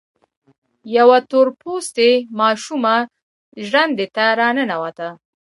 يوه تور پوستې ماشومه ژرندې ته را ننوته.